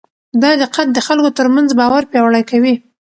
دا دقت د خلکو ترمنځ باور پیاوړی کوي.